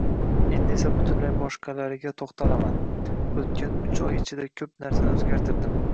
Endi esa butunlay boshqalariga toʻxtalaman, oʻtgan uch oy ichida koʻp narsani oʻzgartirdim